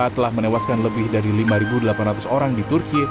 telah menewaskan lebih dari lima delapan ratus orang di turki